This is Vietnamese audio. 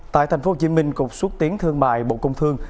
tại tp hcm cục xuất tiến thương mại bộ công thương